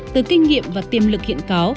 từ kinh nghiệm và tiềm lực hiện có